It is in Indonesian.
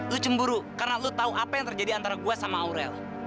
lu cemburu karena lo tahu apa yang terjadi antara gue sama aurel